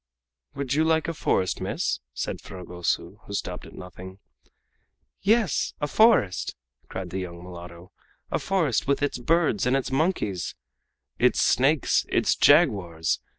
"Would you like a forest, miss?" said Fragoso, who stopped at nothing. "Yes, a forest!" cried the young mulatto; "a forest with its birds and its monkeys " "Its snakes, its jaguars!"